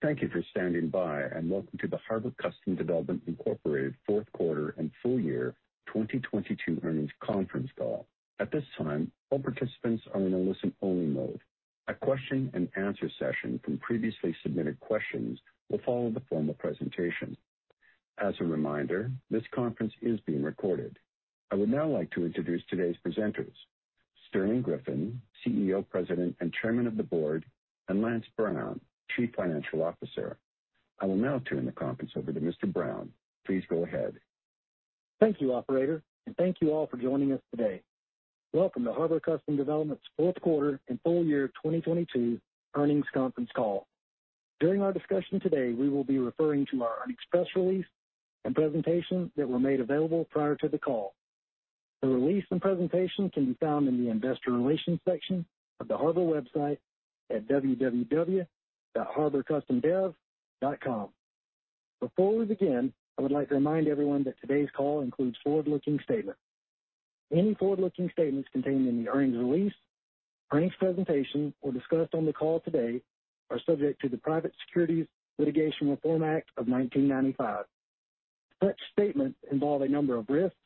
Thank you for standing by. Welcome to the Harbor Custom Development, Inc. fourth quarter and full year 2022 earnings conference call. At this time, all participants are in a listen-only mode. A question and answer session from previously submitted questions will follow the formal presentation. As a reminder, this conference is being recorded. I would now like to introduce today's presenters, Sterling Griffin, CEO, President, and Chairman of the Board, and Lance Brown, Chief Financial Officer. I will now turn the conference over to Mr. Brown. Please go ahead. Thank you, operator. Thank you all for joining us today. Welcome to Harbor Custom Development's fourth quarter and full year 2022 earnings conference call. During our discussion today, we will be referring to our earnings release and presentations that were made available prior to the call. The release and presentation can be found in the investor relations section of the Harbor website at www.harborcustomdev.com. Before we begin, I would like to remind everyone that today's call includes forward-looking statements. Any forward-looking statements contained in the earnings release, earnings presentation or discussed on the call today are subject to the Private Securities Litigation Reform Act of 1995. Such statements involve a number of risks,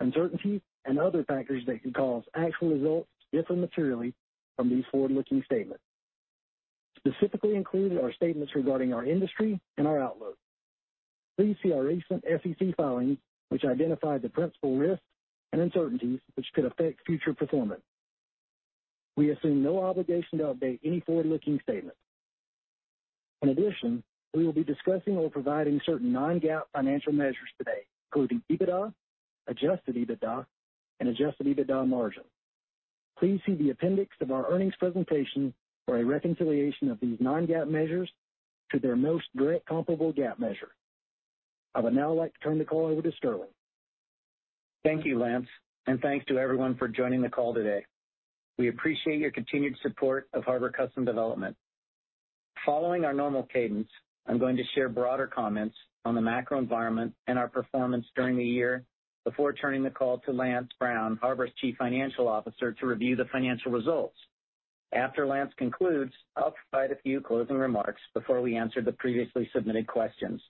uncertainties, and other factors that could cause actual results to differ materially from these forward-looking statements. Specifically included are statements regarding our industry and our outlook. Please see our recent SEC filings, which identify the principal risks and uncertainties which could affect future performance. We assume no obligation to update any forward-looking statement. In addition, we will be discussing or providing certain non-GAAP financial measures today, including EBITDA, adjusted EBITDA, and adjusted EBITDA margin. Please see the appendix of our earnings presentation for a reconciliation of these non-GAAP measures to their most direct comparable GAAP measure. I would now like to turn the call over to Sterling. Thank you, Lance, and thanks to everyone for joining the call today. We appreciate your continued support of Harbor Custom Development. Following our normal cadence, I'm going to share broader comments on the macro environment and our performance during the year before turning the call to Lance Brown, Harbor's Chief Financial Officer, to review the financial results. After Lance concludes, I'll provide a few closing remarks before we answer the previously submitted questions.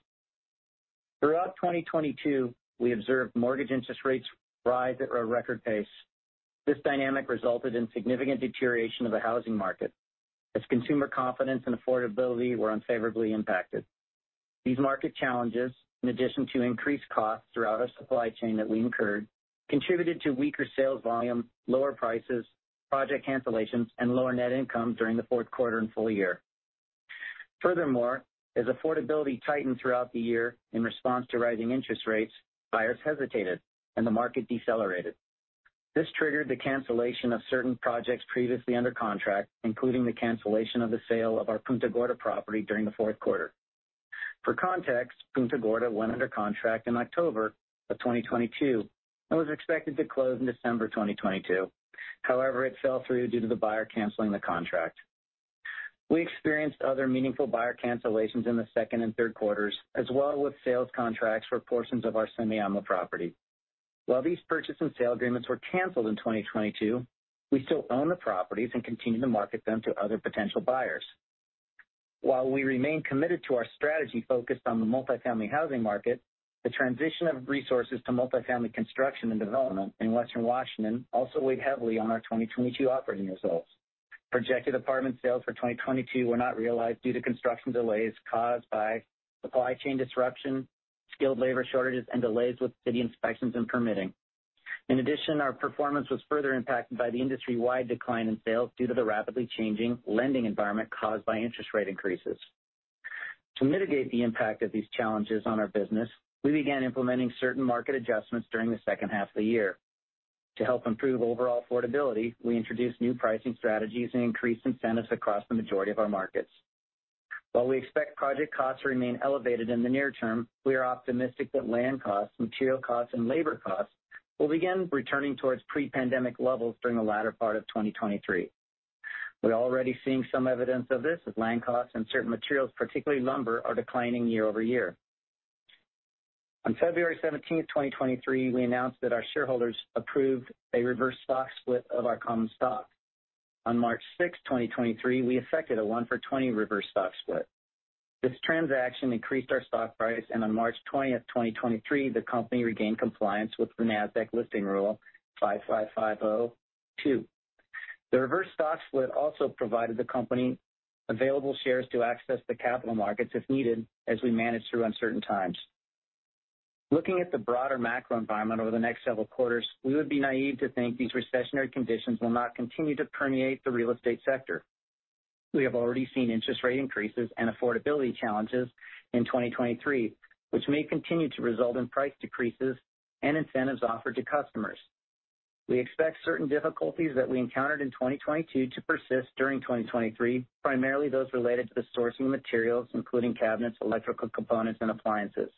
Throughout 2022, we observed mortgage interest rates rise at a record pace. This dynamic resulted in significant deterioration of the housing market as consumer confidence and affordability were unfavorably impacted. These market challenges, in addition to increased costs throughout our supply chain that we incurred, contributed to weaker sales volume, lower prices, project cancellations, and lower net income during the fourth quarter and full year. As affordability tightened throughout the year in response to rising interest rates, buyers hesitated, and the market decelerated. This triggered the cancellation of certain projects previously under contract, including the cancellation of the sale of our Punta Gorda property during the fourth quarter. For context, Punta Gorda went under contract in October of 2022 and was expected to close in December 2022. It fell through due to the buyer canceling the contract. We experienced other meaningful buyer cancellations in the second and third quarters, as well with sales contracts for portions of our Semiahmoo property. These purchase and sale agreements were canceled in 2022, we still own the properties and continue to market them to other potential buyers. While we remain committed to our strategy focused on the multifamily housing market, the transition of resources to multifamily construction and development in Western Washington also weighed heavily on our 2022 operating results. Projected apartment sales for 2022 were not realized due to construction delays caused by supply chain disruption, skilled labor shortages, and delays with city inspections and permitting. Our performance was further impacted by the industry-wide decline in sales due to the rapidly changing lending environment caused by interest rate increases. To mitigate the impact of these challenges on our business, we began implementing certain market adjustments during the second half of the year. To help improve overall affordability, we introduced new pricing strategies and increased incentives across the majority of our markets. While we expect project costs to remain elevated in the near term, we are optimistic that land costs, material costs, and labor costs will begin returning towards pre-pandemic levels during the latter part of 2023. We're already seeing some evidence of this as land costs and certain materials, particularly lumber, are declining year-over-year. On February 17th, 2023, we announced that our shareholders approved a reverse stock split of our common stock. On March 6th, 2023, we affected a 1 for 20 reverse stock split. This transaction increased our stock price, and on March 20th, 2023, the company regained compliance with the Nasdaq Listing Rule 5550(a)(2). The reverse stock split also provided the company available shares to access the capital markets if needed as we manage through uncertain times. Looking at the broader macro environment over the next several quarters, we would be naive to think these recessionary conditions will not continue to permeate the real estate sector. We have already seen interest rate increases and affordability challenges in 2023, which may continue to result in price decreases and incentives offered to customers. We expect certain difficulties that we encountered in 2022 to persist during 2023, primarily those related to the sourcing of materials, including cabinets, electrical components, and appliances.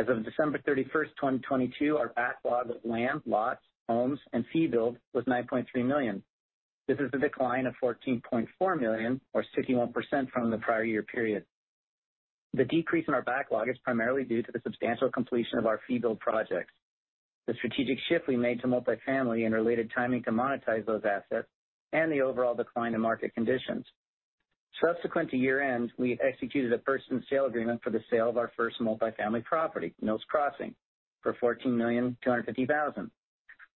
As of December 31st, 2022, our backlog of land, lots, homes, and fee build was $9.3 million. This is a decline of $14.4 million or 61% from the prior year period. The decrease in our backlog is primarily due to the substantial completion of our fee build projects, the strategic shift we made to multifamily and related timing to monetize those assets, and the overall decline in market conditions. Subsequent to year-end, we executed a first in sale agreement for the sale of our first multifamily property, Mills Crossing, for $14.25 million.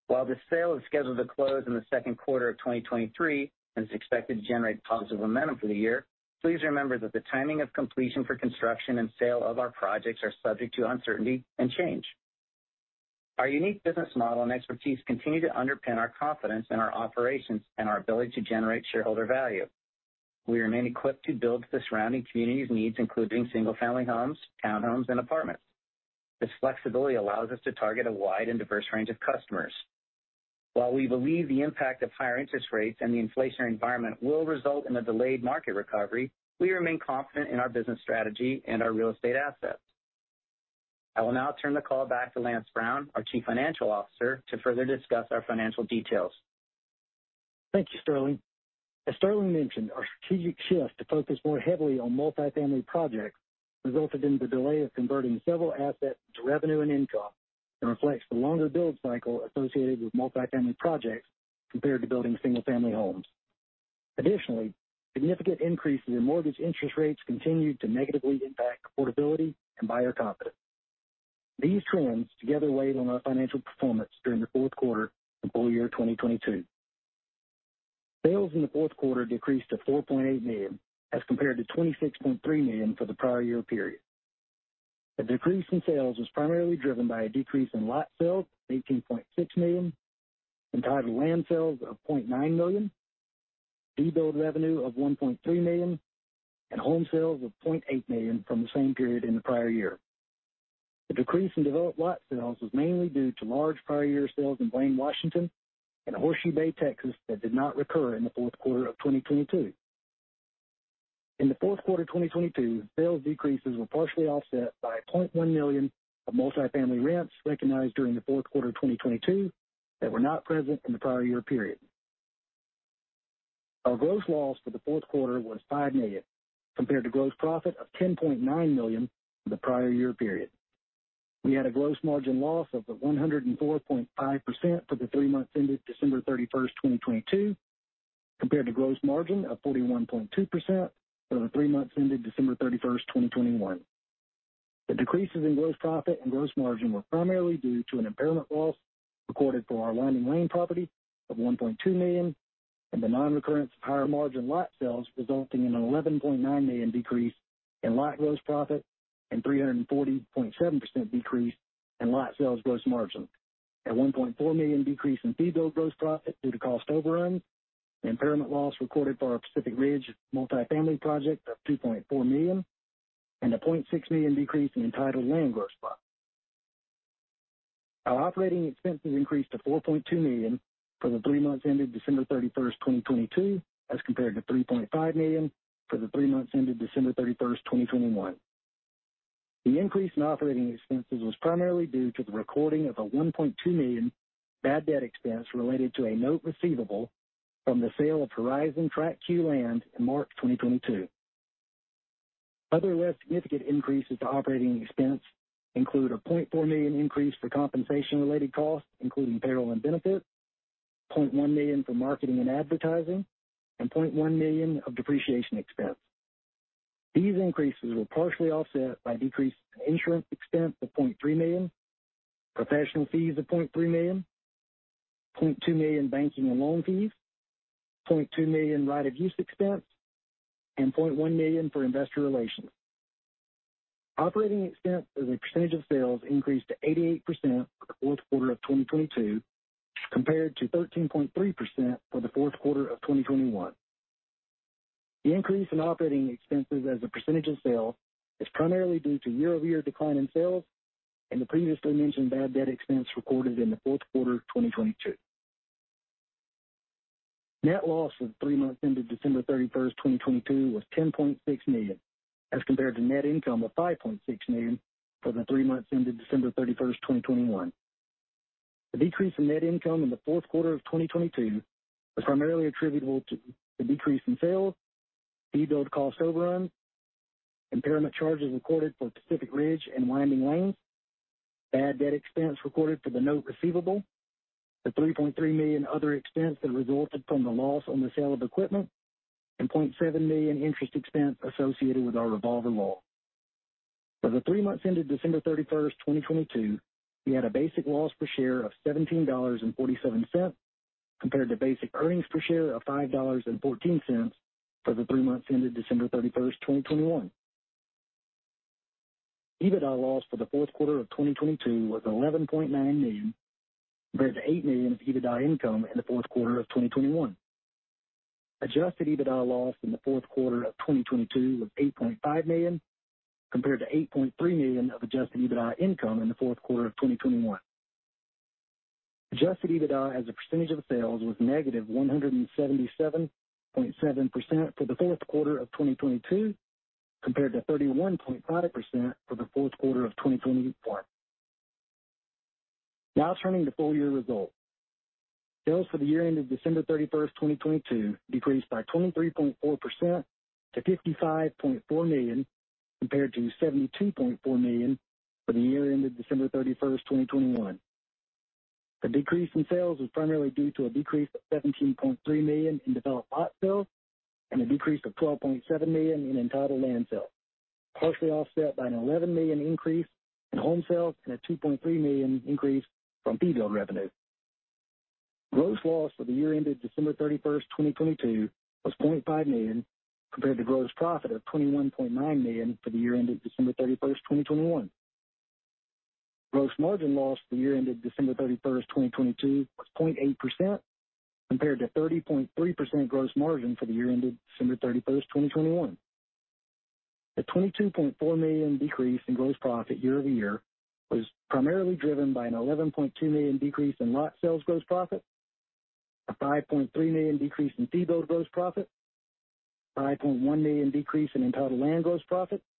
While the sale is scheduled to close in the second quarter of 2023 and is expected to generate positive momentum for the year, please remember that the timing of completion for construction and sale of our projects are subject to uncertainty and change. Our unique business model and expertise continue to underpin our confidence in our operations and our ability to generate shareholder value. We remain equipped to build the surrounding community's needs, including single-family homes, townhomes, and apartments. This flexibility allows us to target a wide and diverse range of customers. While we believe the impact of higher interest rates and the inflationary environment will result in a delayed market recovery, we remain confident in our business strategy and our real estate assets. I will now turn the call back to Lance Brown, our Chief Financial Officer, to further discuss our financial details. Thank you, Sterling. As Sterling mentioned, our strategic shift to focus more heavily on multifamily projects resulted in the delay of converting several assets to revenue and income and reflects the longer build cycle associated with multifamily projects compared to building single-family homes. Additionally, significant increases in mortgage interest rates continued to negatively impact affordability and buyer confidence. These trends together weighed on our financial performance during the fourth quarter and full year 2022. Sales in the fourth quarter decreased to $4.8 million as compared to $26.3 million for the prior year period. The decrease in sales was primarily driven by a decrease in lot sales of $18.6 million, entitled land sales of $0.9 million, fee build revenue of $1.3 million, and home sales of $0.8 million from the same period in the prior year. The decrease in developed lot sales was mainly due to large prior year sales in Blaine, Washington and Horseshoe Bay, Texas, that did not recur in the fourth quarter of 2022. In the fourth quarter of 2022, sales decreases were partially offset by $0.1 million of multifamily rents recognized during the fourth quarter of 2022 that were not present in the prior year period. Our gross loss for the fourth quarter was $5 million, compared to gross profit of $10.9 million in the prior year period. We had a gross margin loss of 104.5% for the three months ended December 31st, 2022, compared to gross margin of 41.2% for the three months ended December 31st, 2021. The decreases in gross profit and gross margin were primarily due to an impairment loss recorded for our Winding Lane property of $1.2 million and the non-recurrence of higher margin lot sales, resulting in an $11.9 million decrease in lot gross profit and 340.7% decrease in lot sales gross margin. A $1.4 million decrease in fee build gross profit due to cost overruns, an impairment loss recorded for our Pacific Ridge multifamily project of $2.4 million, and a $0.6 million decrease in entitled land gross profit. Our operating expenses increased to $4.2 million for the three months ended December 31, 2022, as compared to $3.5 million for the three months ended December 31, 2021. The increase in operating expenses was primarily due to the recording of a $1.2 million bad debt expense related to a note receivable from the sale of Horizon Tract Q land in March 2022. Other less significant increases to operating expense include a $0.4 million increase for compensation related costs, including payroll and benefits, $0.1 million for marketing and advertising, and $0.1 million of depreciation expense. These increases were partially offset by decreases in insurance expense of $0.3 million, professional fees of $0.3 million, $0.2 million banking and loan fees, $0.2 million right of use expense, and $0.1 million for investor relations. Operating expense as a percentage of sales increased to 88% for the fourth quarter of 2022, compared to 13.3% for the fourth quarter of 2021. The increase in operating expenses as a % of sales is primarily due to year-over-year decline in sales and the previously mentioned bad debt expense recorded in the fourth quarter of 2022. Net loss for the three months ended December thirty-first, 2022, was $10.6 million, as compared to net income of $5.6 million for the three months ended December thirty-first, 2021. The decrease in net income in the fourth quarter of 2022 was primarily attributable to the decrease in sales, fee build cost overruns, impairment charges recorded for Pacific Ridge and Winding Lane, bad debt expense recorded for the note receivable, the $3.3 million other expense that resulted from the loss on the sale of equipment, and $0.7 million interest expense associated with our revolver loan. For the three months ended December 31st, 2022, we had a basic loss per share of $17.47, compared to basic earnings per share of $5.14 for the three months ended December 31st, 2021. EBITDA loss for the fourth quarter of 2022 was $11.9 million compared to $8 million of EBITDA income in the fourth quarter of 2021. Adjusted EBITDA loss in the fourth quarter of 2022 was $8.5 million, compared to $8.3 million of adjusted EBITDA income in the fourth quarter of 2021. Adjusted EBITDA as a percentage of sales was negative 177.7% for the fourth quarter of 2022, compared to 31.5% for the fourth quarter of 2021. Turning to full year results. Sales for the year ended December 31st, 2022 decreased by 23.4% to $55.4 million, compared to $72.4 million for the year ended December 31st, 2021. The decrease in sales was primarily due to a decrease of $17.3 million in developed lot sales and a decrease of $12.7 million in entitled land sales, partially offset by an $11 million increase in home sales and a $2.3 million increase from fee build revenue. Gross loss for the year ended December 31st, 2022 was $0.5 million, compared to gross profit of $21.9 million for the year ended December 31st, 2021. Gross margin loss for the year ended December 31st, 2022 was 0.8% compared to 30.3% gross margin for the year ended December 31st, 2021. The $22.4 million decrease in gross profit year-over-year was primarily driven by an $11.2 million decrease in lot sales gross profit, a $5.3 million decrease in fee build gross profit, $5.1 million decrease in entitled land gross profit, and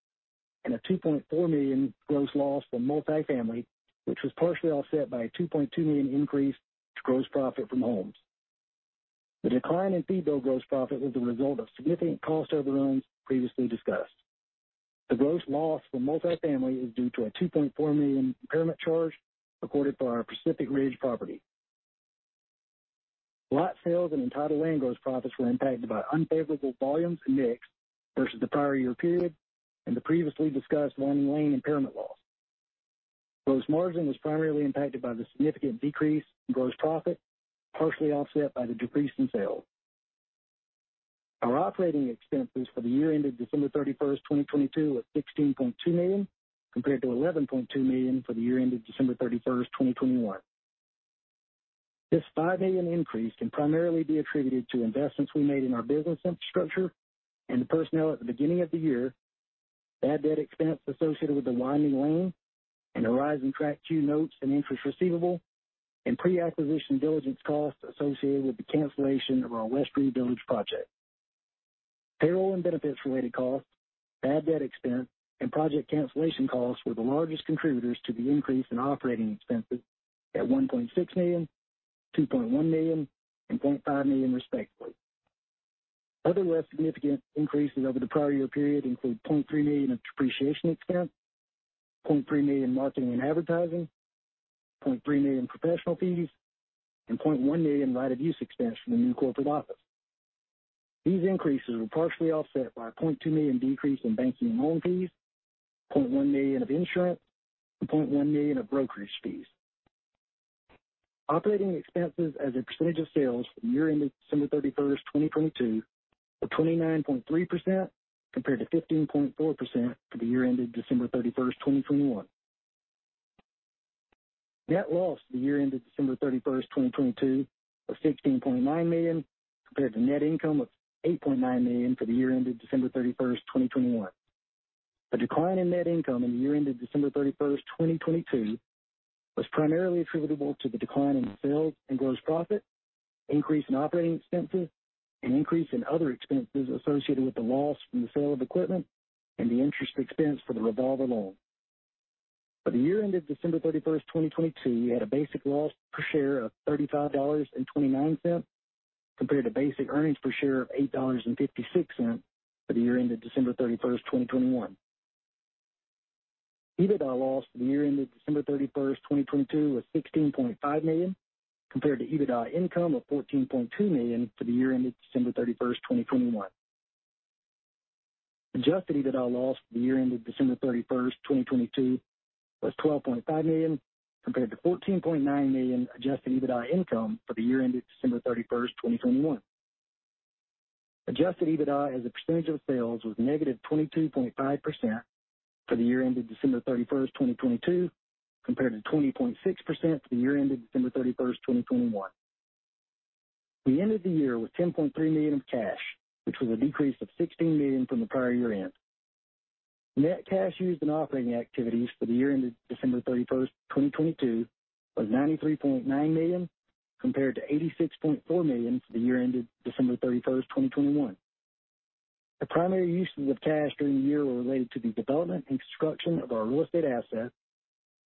a $2.4 million gross loss from multifamily, which was partially offset by a $2.2 million increase to gross profit from homes. The decline in fee build gross profit was the result of significant cost overruns previously discussed. The gross loss from multifamily is due to a $2.4 million impairment charge recorded for our Pacific Ridge property. Lot sales and entitled land gross profits were impacted by unfavorable volumes and mix versus the prior year period and the previously discussed Winding Lane impairment loss. Gross margin was primarily impacted by the significant decrease in gross profit, partially offset by the decrease in sales. Our operating expenses for the year ended December 31st, 2022 was $16.2 million, compared to $11.2 million for the year ended December 31st, 2021. This $5 million increase can primarily be attributed to investments we made in our business infrastructure and the personnel at the beginning of the year. Bad debt expense associated with the Winding Lane and the rise in Tract Q notes and interest receivable and pre-acquisition diligence costs associated with the cancellation of our Westerly Village project. Payroll and benefits-related costs, bad debt expense, and project cancellation costs were the largest contributors to the increase in operating expenses at $1.6 million, $2.1 million, and $0.5 million, respectively. Other less significant increases over the prior year period include $0.3 million in depreciation expense, $0.3 million marketing and advertising, $0.3 million professional fees, and $0.1 million right of use expense from the new corporate office. These increases were partially offset by a $0.2 million decrease in banking and loan fees, $0.1 million of insurance, and $0.1 million of brokerage fees. Operating expenses as a percentage of sales for the year ended December thirty-first, 2022 were 29.3% compared to 15.4% for the year ended December thirty-first, 2021. Net loss for the year ended December thirty-first, 2022 was $16.9 million compared to net income of $8.9 million for the year ended December thirty-first, 2021. The decline in net income in the year ended December 31, 2022, was primarily attributable to the decline in sales and gross profit, increase in operating expenses, an increase in other expenses associated with the loss from the sale of equipment, and the interest expense for the revolver loan. For the year ended December 31, 2022, we had a basic loss per share of $35.29 compared to basic earnings per share of $8.56 for the year ended December 31, 2021. EBITDA loss for the year ended December 31, 2022, was $16.5 million, compared to EBITDA income of $14.2 million for the year ended December 31, 2021. Adjusted EBITDA loss for the year ended December 31, 2022 was $12.5 million, compared to $14.9 million Adjusted EBITDA income for the year ended December 31, 2021. Adjusted EBITDA as a percentage of sales was negative 22.5% for the year ended December 31, 2022, compared to 20.6% for the year ended December 31, 2021. We ended the year with $10.3 million of cash, which was a decrease of $16 million from the prior year-end. Net cash used in operating activities for the year ended December 31, 2022 was $93.9 million, compared to $86.4 million for the year ended December 31, 2021. The primary uses of cash during the year were related to the development and construction of our real estate assets,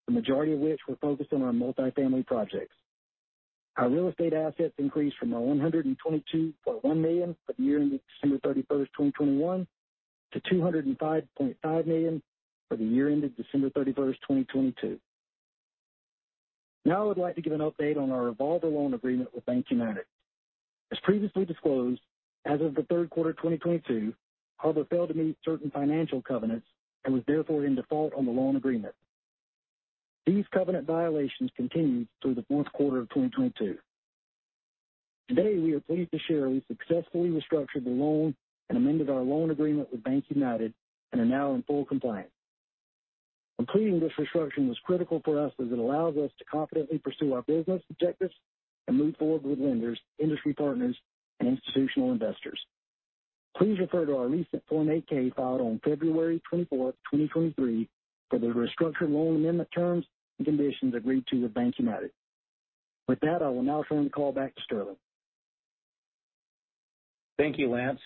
the majority of which were focused on our multifamily projects. Our real estate assets increased from our $122.1 million for the year ended December 31, 2021 to $205.5 million for the year ended December 31, 2022. I would like to give an update on our revolver loan agreement with BankUnited. As previously disclosed, as of the third quarter of 2022, Harbor failed to meet certain financial covenants and was therefore in default on the loan agreement. These covenant violations continued through the fourth quarter of 2022. Today, we are pleased to share we successfully restructured the loan and amended our loan agreement with BankUnited and are now in full compliance. Completing this restructure was critical for us as it allows us to confidently pursue our business objectives and move forward with lenders, industry partners, and institutional investors. Please refer to our recent Form 8-K filed on February 24, 2023 for the restructured loan amendment terms and conditions agreed to with BankUnited. I will now turn the call back to Sterling. Thank you, Lance.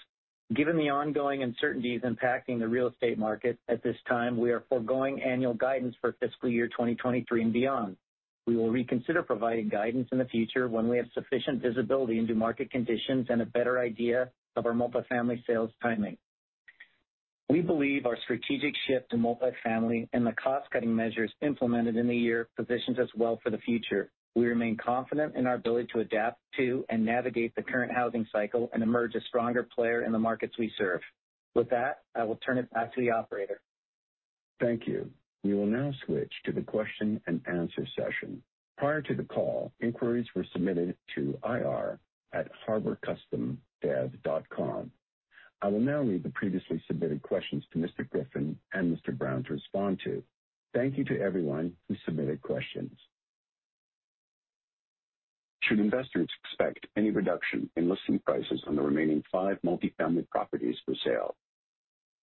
Given the ongoing uncertainties impacting the real estate market at this time, we are foregoing annual guidance for fiscal year 2023 and beyond. We will reconsider providing guidance in the future when we have sufficient visibility into market conditions and a better idea of our multifamily sales timing. We believe our strategic shift to multifamily and the cost-cutting measures implemented in the year positions us well for the future. We remain confident in our ability to adapt to and navigate the current housing cycle and emerge a stronger player in the markets we serve. With that, I will turn it back to the operator. Thank you. We will now switch to the question and answer session. Prior to the call, inquiries were submitted to ir@harborcustomdev.com. I will now read the previously submitted questions to Mr. Griffin and Mr. Brown to respond to. Thank you to everyone who submitted questions. Should investors expect any reduction in listing prices on the remaining five multifamily properties for sale?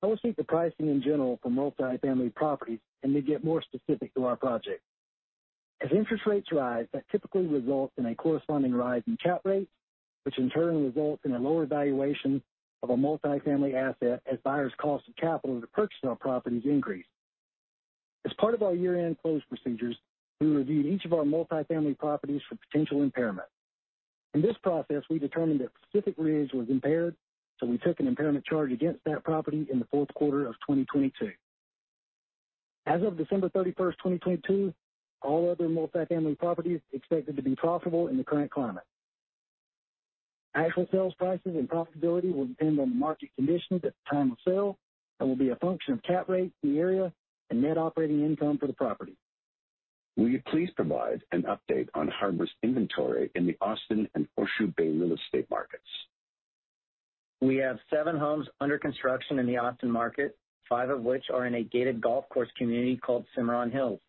I will state the pricing in general for multifamily properties and then get more specific to our project. As interest rates rise, that typically results in a corresponding rise in cap rate, which in turn results in a lower valuation of a multifamily asset as buyers' cost of capital to purchase our properties increase. As part of our year-end close procedures, we review each of our multifamily properties for potential impairment. In this process, we determined that Pacific Ridge was impaired, so we took an impairment charge against that property in the fourth quarter of 2022. As of December 31st, 2022, all other multifamily properties expected to be profitable in the current climate. Actual sales prices and profitability will depend on the market conditions at the time of sale and will be a function of cap rate, the area, and net operating income for the property. Will you please provide an update on Harbor's inventory in the Austin and Horseshoe Bay real estate markets? We have 7 homes under construction in the Austin market, 5 of which are in a gated golf course community called Cimarron Hills.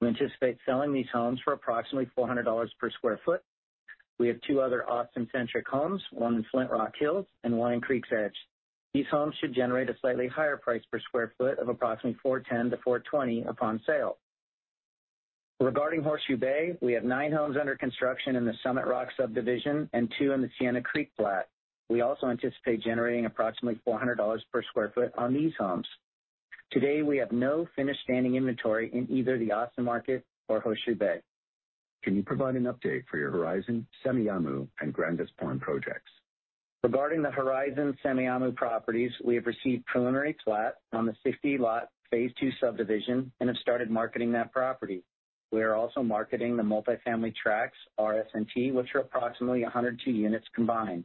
We anticipate selling these homes for approximately $400 per square foot. We have 2 other Austin-centric homes, one in Flintrock Falls and one in Creek's Edge. These homes should generate a slightly higher price per square foot of approximately $410-$420 upon sale. Regarding Horseshoe Bay, we have 9 homes under construction in the Summit Rock subdivision and 2 in the Siena Creek plat. We also anticipate generating approximately $400 per square foot on these homes. Today, we have no finished standing inventory in either the Austin market or Horseshoe Bay. Can you provide an update for your Horizon, Semiahmoo, and Grandis Pond projects? Regarding Horizon properties, we have received preliminary plat on the 60-lot phase two subdivision and have started marketing that property. We are also marketing the multifamily tracts RS and T, which are approximately 102 units combined.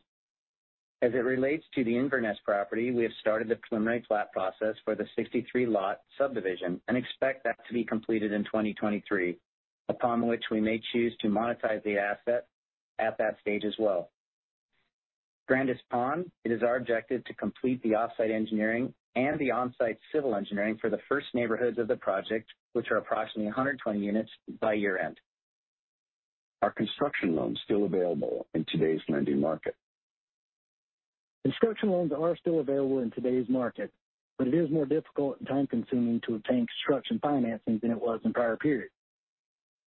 As it relates to the Inverness property, we have started the preliminary plat process for the 63-lot subdivision and expect that to be completed in 2023, upon which we may choose to monetize the asset at that stage as well. Grandis Pond, it is our objective to complete the off-site engineering and the on-site civil engineering for the first neighborhoods of the project, which are approximately 120 units, by year-end. Are construction loans still available in today's lending market? Construction loans are still available in today's market, but it is more difficult and time-consuming to obtain construction financing than it was in prior periods.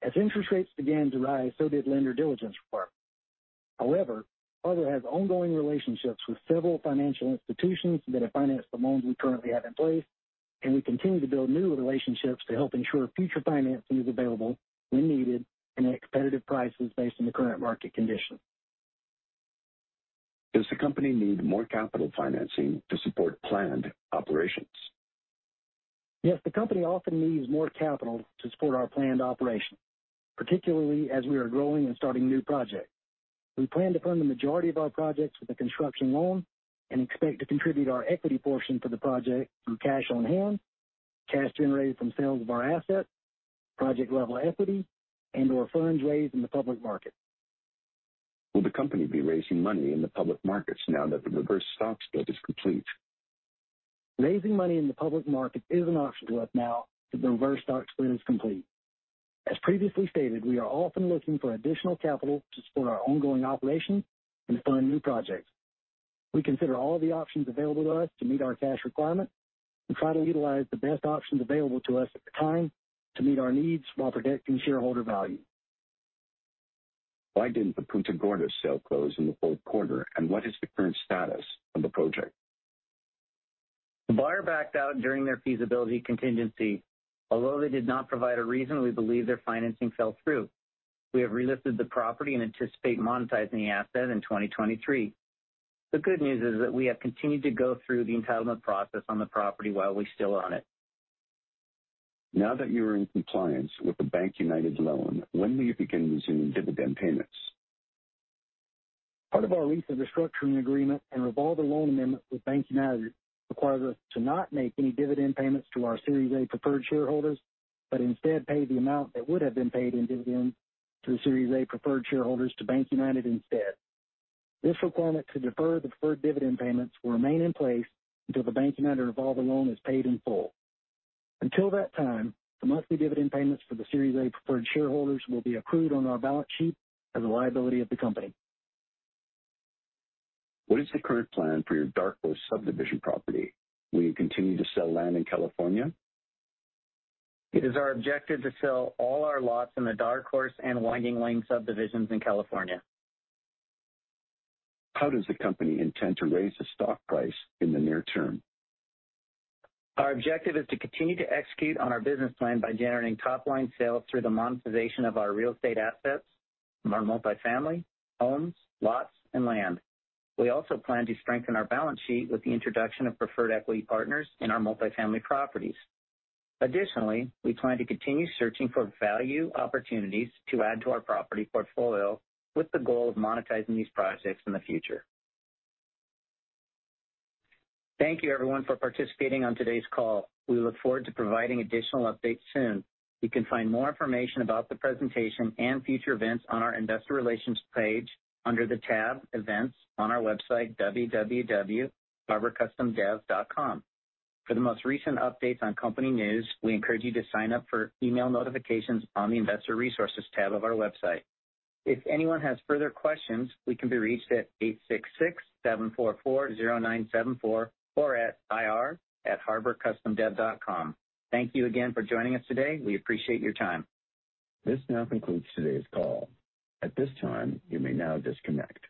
As interest rates began to rise, so did lender diligence requirements. However, Harbor has ongoing relationships with several financial institutions that have financed the loans we currently have in place, and we continue to build new relationships to help ensure future financing is available when needed and at competitive prices based on the current market conditions. Does the company need more capital financing to support planned operations? The company often needs more capital to support our planned operations, particularly as we are growing and starting new projects. We plan to fund the majority of our projects with a construction loan and expect to contribute our equity portion to the project through cash on hand, cash generated from sales of our assets, project-level equity, and/or funds raised in the public market. Will the company be raising money in the public markets now that the reverse stock split is complete? Raising money in the public market is an option to us now that the reverse stock split is complete. As previously stated, we are often looking for additional capital to support our ongoing operations and fund new projects. We consider all the options available to us to meet our cash requirement and try to utilize the best options available to us at the time to meet our needs while protecting shareholder value. Why didn't the Punta Gorda sale close in the fourth quarter, and what is the current status of the project? The buyer backed out during their feasibility contingency. They did not provide a reason, we believe their financing fell through. We have relisted the property and anticipate monetizing the asset in 2023. The good news is that we have continued to go through the entitlement process on the property while we still own it. Now that you are in compliance with the BankUnited loan, when will you begin resuming dividend payments? Part of our lease and restructuring agreement and revolver loan amendment with BankUnited requires us to not make any dividend payments to our Series A preferred shareholders, but instead pay the amount that would have been paid in dividends to the Series A preferred shareholders to BankUnited instead. This requirement to defer the preferred dividend payments will remain in place until the BankUnited revolver loan is paid in full. Until that time, the monthly dividend payments for the Series A preferred shareholders will be accrued on our balance sheet as a liability of the company. What is the current plan for your Dark Horse subdivision property? Will you continue to sell land in California? It is our objective to sell all our lots in the Dark Horse and Winding Lane subdivisions in California. How does the company intend to raise the stock price in the near term? Our objective is to continue to execute on our business plan by generating top-line sales through the monetization of our real estate assets, from our multifamily, homes, lots, and land. We also plan to strengthen our balance sheet with the introduction of preferred equity partners in our multifamily properties. Additionally, we plan to continue searching for value opportunities to add to our property portfolio with the goal of monetizing these projects in the future. Thank you, everyone, for participating on today's call. We look forward to providing additional updates soon. You can find more information about the presentation and future events on our investor relations page under the tab Events on our website, www.harborcustomdev.com. For the most recent updates on company news, we encourage you to sign up for email notifications on the Investor Resources tab of our website. If anyone has further questions, we can be reached at 866-744-0974 or at ir@harborcustomdev.com. Thank you again for joining us today. We appreciate your time. This now concludes today's call. At this time, you may now disconnect.